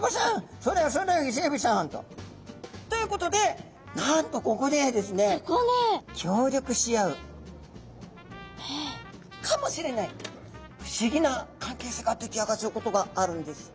そうだよイセエビさん」と。ということでなんとここでですね協力し合うかもしれない不思議な関係性が出来上がっちゃうことがあるんです。